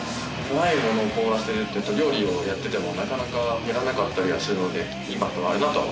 辛いものを凍らせるって料理をやっててもなかなかやらなかったりするのでインパクトがあるなと思いました。